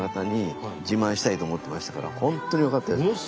本当によかったです。